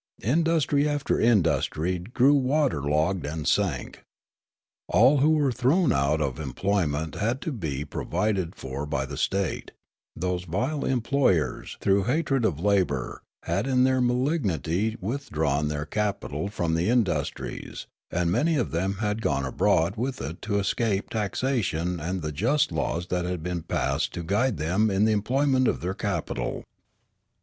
Industry after industry grew waterlogged and sank. All who were thrown out of employment had to be pro vided for by the state ; those vile emplo^ ers, through hatred of labour, had in their malignity withdrawn their capital from the industries, and many of them had gone abroad with it to escape taxation and the just laws that had been passed to guide them in the employment of their capital.